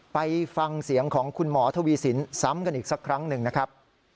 ไปฟังเสียงของคุณหมอทวีสินซ้ำกันอีกสักครั้งหนึ่งนะครับ